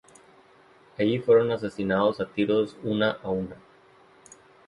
Allí fueron asesinadas a tiros una a una.